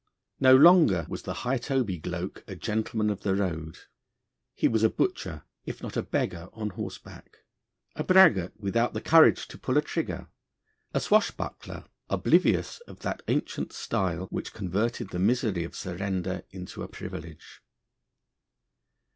No longer was the hightoby gloak a 'gentleman' of the road; he was a butcher, if not a beggar, on horseback; a braggart without the courage to pull a trigger; a swashbuckler, oblivious of that ancient style which converted the misery of surrender into a privilege.